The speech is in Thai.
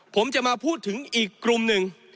ผมจะมาพูดถึงอีกกลุ่มหนึ่ง